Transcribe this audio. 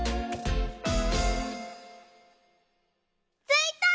ついた！